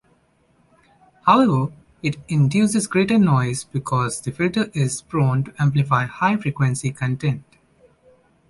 However, it induces greater noise because the filter is prone to amplify high-frequency content.